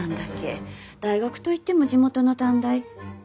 大学と言っても地元の短大。